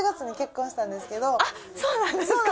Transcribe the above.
あっそうなんですか？